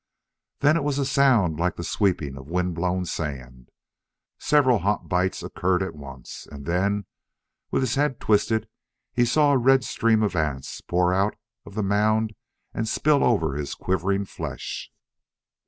Then it was a sound like the seeping of wind blown sand. Several hot bites occurred at once. And then with his head twisted he saw a red stream of ants pour out of the mound and spill over his quivering flesh.